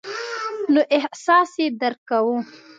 نو احساس یې درک کوو.